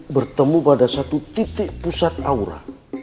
bertemu pada satu titik pusat aura